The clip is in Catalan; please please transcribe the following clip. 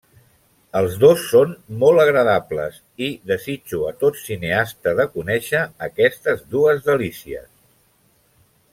Els dos són molt agradables, i desitjo a tot cineasta de conèixer aquestes dues delícies.